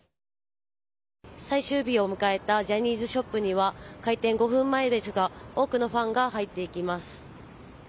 最終日を迎えたジャニーズショップには、開店５分前ですが、多くのファンが入っていきます。